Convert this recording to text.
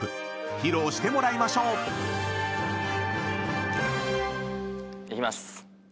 ［披露してもらいましょう］いきます。